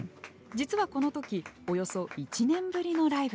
実はこの時およそ１年ぶりのライブでした。